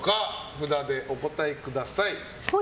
札でお答えください。